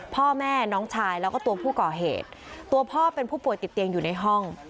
พ่อแม่น้องชายแล้วก็ตัวผู้ก่อเหตุตัวพ่อเป็นผู้ป่วยติดเตียงอยู่ในห้อง